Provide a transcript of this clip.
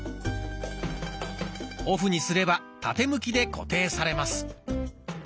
オフにすれば縦向きで固定されます。